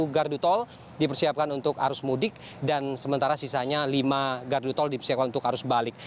satu gardu tol dipersiapkan untuk arus mudik dan sementara sisanya lima gardu tol dipersiapkan untuk arus balik